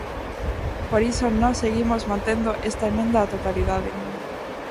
Por iso nós seguimos mantendo esta emenda á totalidade.